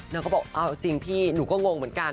เขาบอกเอาจริงพี่หนูก็งงเหมือนกัน